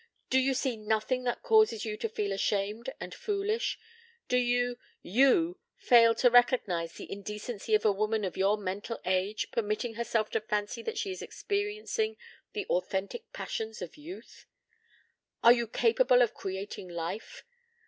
Do you see nothing that causes you to feel ashamed and foolish? Do you you fail to recognize the indecency of a woman of your mental age permitting herself to fancy that she is experiencing the authentic passions of youth? Are you capable of creating life?